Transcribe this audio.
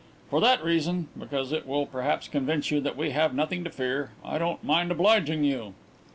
For that reason because it will perhaps convince you that we have nothing to fear I don't mind obliging you."